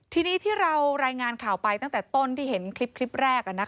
ทีนี้ที่เรารายงานข่าวไปตั้งแต่ต้นที่เห็นคลิปแรก